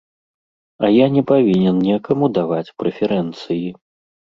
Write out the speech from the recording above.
А я не павінен некаму даваць прэферэнцыі.